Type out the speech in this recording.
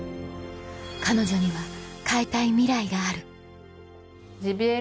彼女には変えたいミライがあるジビエ